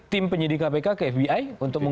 tim penyidik kpk ke fbi